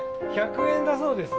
１００円だそうです。